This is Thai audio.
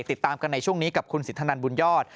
ติดตามกันในช่วงนี้กับคุณสินทนันบุญยอด